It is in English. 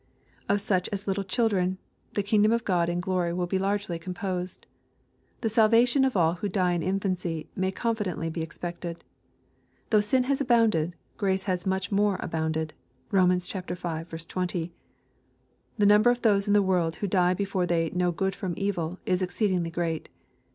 "Of such as little children," the kingdom of God in glory will be largely composed. The salvation of all who die in infancy may confidently be expected. Though sin has abounded, grace has much more abounded. (Rom. V. 20;) The number of those in the world who die before they " know good from evil" is exceedingly great.